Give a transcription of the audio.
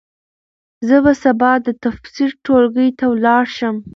زه به سبا د تفسیر ټولګي ته ولاړ شم.